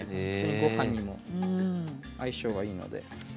ごはんにも相性がいいので。